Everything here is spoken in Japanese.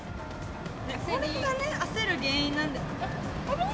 これがね、焦る原因なんです。